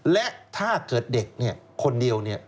และถ้าเกิดเด็กเนี่ยคนเดียวเนี่ย